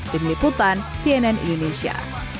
tim liputan cnn indonesia